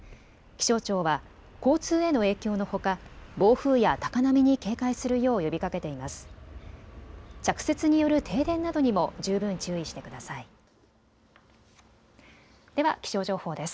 気象庁は交通への影響のほか、暴風や高波に警戒するよう呼びかけています。